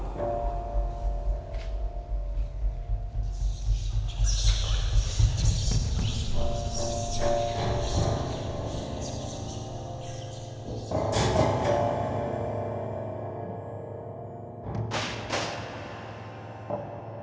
masuk aja gak apa apa